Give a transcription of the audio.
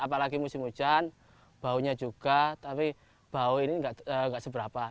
apalagi musim hujan baunya juga tapi bau ini nggak seberapa